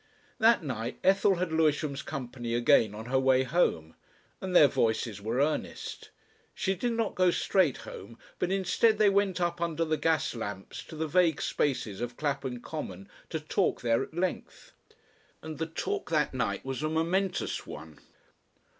That night Ethel had Lewisham's company again on her way home, and their voices were earnest. She did not go straight home, but instead they went up under the gas lamps to the vague spaces of Clapham Common to talk there at length. And the talk that night was a momentous one.